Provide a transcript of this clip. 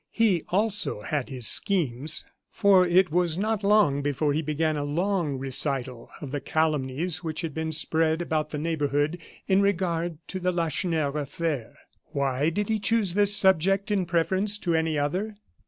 He also had his schemes; for it was not long before he began a long recital of the calumnies which had been spread about the neighborhood in regard to the Lacheneur affair. Why did he choose this subject in preference to any other?